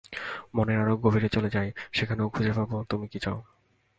মনের আরো গভীরে চলে যাও, সেখানেই খুঁজে পাবে তুমি কী চাও।